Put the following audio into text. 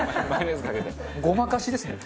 ごまかしですね。